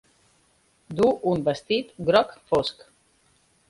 Duu un vestit groc fosc.